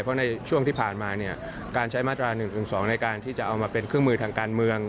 เพราะในช่วงที่ผ่านมาเนี่ยการใช้มาตรา๑๑๒ในการที่จะเอามาเป็นเครื่องมือทางการเมือง